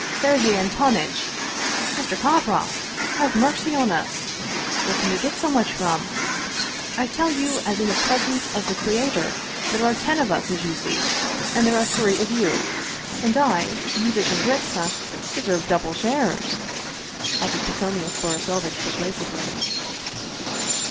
" Sergei Antonitch ! Mr. Kovroff ! Have mercy on us ! Where can we get so much from? I tell you as in the presence of the Creator ! There are ten of us, as you see. And there are three of you. And I, Yuzitch, and Gretcka deserve double shares !" added Pacomius Borisovitch per suasively.